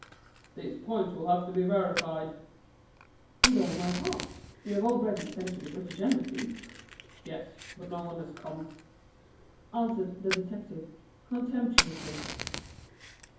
"These points will have to be verified." "With all my heart. You have already sent to the British Embassy?" "Yes, but no one has come," answered the detective, contemptuously.